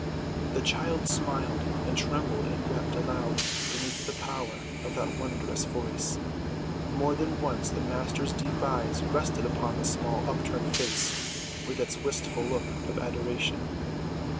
The child smiled and trembled and wept aloud beneath the power of that wondrous Voice; more than once the Master's deep eyes rested upon the small upturned face with its wistful look of adoration.